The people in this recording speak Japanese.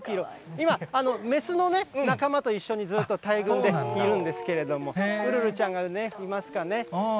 今、雌の仲間と一緒にずっとでいるんですけれども、いるんですけれども、ウルルちゃんがいますかね。